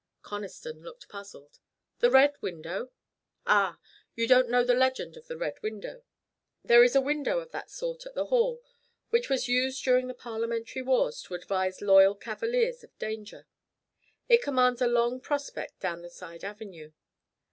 Conniston looked puzzled. "The Red Window?" "Ah! You don't know the legend of the Red Window. There is a window of that sort at the Hall, which was used during the Parliamentary wars to advise loyal cavaliers of danger. It commands a long prospect down the side avenue.